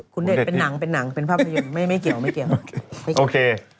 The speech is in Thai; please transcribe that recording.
คุณเดชน์เป็นหนังเป็นภาพยนตร์ไม่เกี่ยวไม่เกี่ยวโอเค